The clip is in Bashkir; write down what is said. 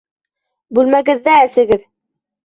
Бүлмәгеҙҙә әсегеҙ!